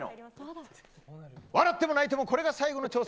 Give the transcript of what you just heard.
笑っても泣いてもこれが最後の挑戦。